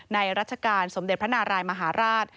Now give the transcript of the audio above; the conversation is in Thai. รัชกาลสมเด็จพระนารายมหาราช